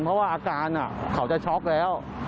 เพราะว่าอาการเขาจะช็อกแล้ว